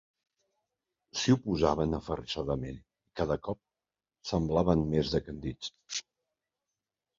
S'hi oposaven aferrissadament i cada cop semblaven més decandits.